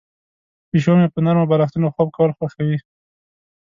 پیشو مې په نرمو بالښتونو خوب کول خوښوي.